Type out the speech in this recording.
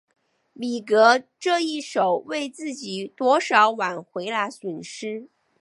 米格这一手为自己多少挽回了损失。